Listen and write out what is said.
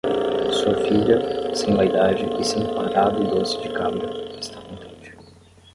Sua filha, sem vaidade e sem prado doce de cabra, está contente.